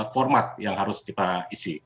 format yang harus kita isi